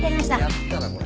やったなこれ。